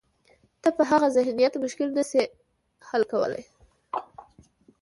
ته په هغه ذهنیت مشکل نه شې حل کولای.